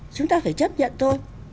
chúng ta phải chấp nhận thôi